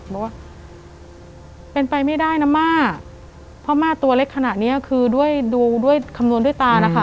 บอกว่าเป็นไปไม่ได้นะม่าเพราะม่าตัวเล็กขนาดเนี้ยคือด้วยดูด้วยคำนวณด้วยตานะคะ